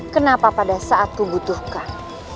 kenapa pada saat kubutuhkan